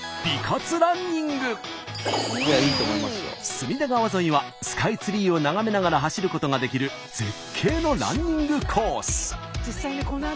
隅田川沿いはスカイツリーを眺めながら走ることができる絶景のランニングコース。